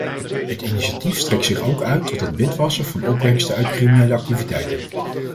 Het initiatief strekt zich ook uit tot het witwassen van opbrengsten uit criminele activiteiten.